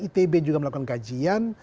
itb juga melakukan kajian